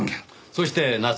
そして夏。